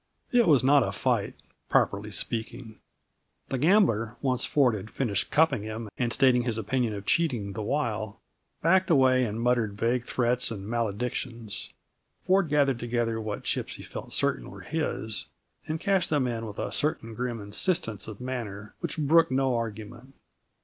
It was not a fight, properly speaking. The gambler, once Ford had finished cuffing him and stating his opinion of cheating the while, backed away and muttered vague threats and maledictions. Ford gathered together what chips he felt certain were his, and cashed them in with a certain grim insistence of manner which brooked no argument.